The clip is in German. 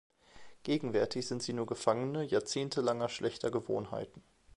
Gegenwärtig sind sie nur Gefangene jahrzehntelanger schlechter Gewohnheiten.